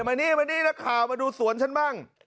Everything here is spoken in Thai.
มานี่มานี่นักข่าวมาดูสวนฉันบ้าง